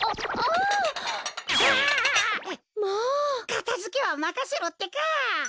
かたづけはまかせろってか！